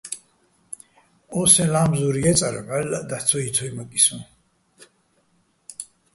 ო სეჼ ლამზურ ჲე́წარ ვჵალლაჸ დაჰ̦ ცო ჲიცოჲმაკი სოჼ.